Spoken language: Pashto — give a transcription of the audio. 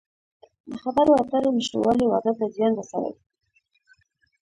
د خبرو اترو نشتوالی واده ته زیان رسوي.